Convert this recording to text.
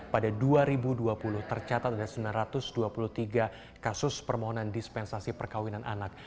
pada dua ribu dua puluh tercatat ada sembilan ratus dua puluh tiga kasus permohonan dispensasi perkawinan anak